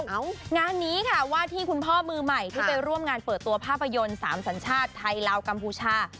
งานนี้ค่ะว่าที่คุณพ่อมือใหม่ที่ไปร่วมงานเปิดตัวภาพยนตร์สามสัญชาติไทยลาวกัมพูชา